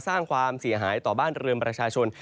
สร้างความเสียหายต่อบ้านเรือนประชาชน